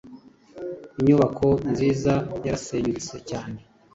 Inyubako nziza yarasenyutse cyane